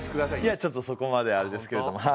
いやちょっとそこまではあれですけれども。